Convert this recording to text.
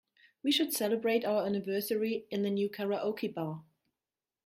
We should celebrate our anniversary in the new karaoke bar.